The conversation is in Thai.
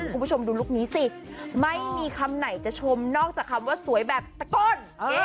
คุณผู้ชมดูลุคนี้สิไม่มีคำไหนจะชมนอกจากคำว่าสวยแบบตะก้น